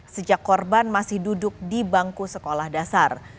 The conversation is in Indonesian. sejak korban masih duduk di bangku sekolah dasar